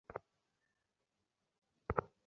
কে যেন দরজা ধাক্কা দিচ্ছে।